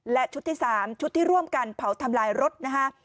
และชุดที่๓ชุดที่ร่วมกันเผาทำลายรถนะฮะ